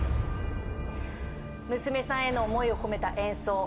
娘さんへの思いを込めた演奏。